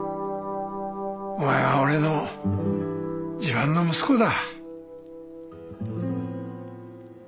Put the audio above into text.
お前は俺の自慢の息子だ。